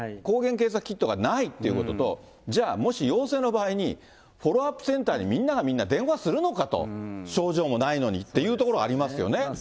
抗原検査キットがないということと、じゃあもし陽性の場合に、フォローアップセンターにみんながみんな、電話するのかと、症状もないのにというところがありますよね。